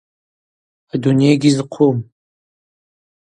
Адуней гьизхъум.